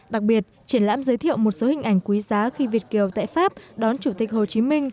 đặc biệt triển lãm giới thiệu một số hình ảnh quý giá khi việt kiều tại pháp đón chủ tịch hồ chí minh